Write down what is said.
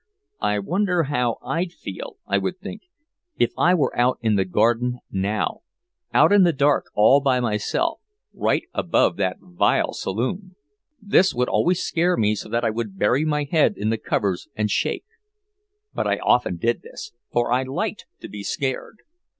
"I wonder how I'd feel," I would think, "if I were out in the garden now out in the dark all by myself right above that vile saloon!" This would always scare me so that I would bury my head in the covers and shake. But I often did this, for I liked to be scared.